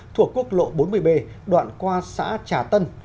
thuộc quốc lộ bốn mươi b đoạn qua xã trà tân